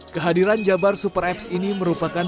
kehadiran jabar super apps ini merupakan